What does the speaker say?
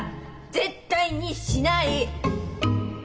絶対にしない！